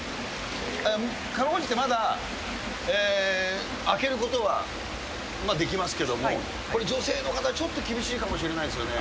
かろうじてまだ、開けることはできますけども、これ、女性の方、ちょっと厳しいかもしれないですよね。